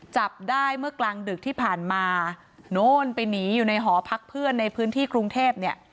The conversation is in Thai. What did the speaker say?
จับได้เมื่อกลางดึกที่ผ่านมาโน้นไปหนีอยู่ในหอพักเพื่อนในพื้นที่กรุงเทพเนี่ย